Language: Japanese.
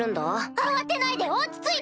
慌てないで落ち着いて！